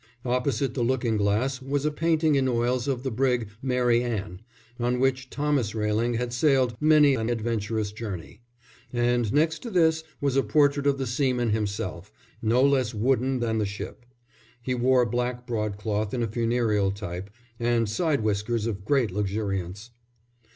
Opposite the looking glass was a painting in oils of the brig Mary Ann, on which Thomas Railing had sailed many an adventurous journey; and next to this was a portrait of the seaman himself, no less wooden than the ship. He wore black broadcloth of a funereal type, and side whiskers of great luxuriance.